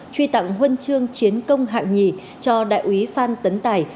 truy tặng huân chương chiến công hạng nhì cho đại úy phan tấn tài